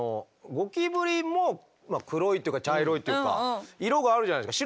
ゴキブリも黒いっていうか茶色いっていうか色があるじゃないですか。